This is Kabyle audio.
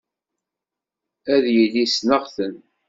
Ad yili ssneɣ-ten.